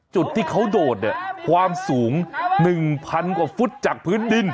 จุดที่เขาโดดเนี่ยความสูง๑๐๐กว่าฟุตจากพื้นดิน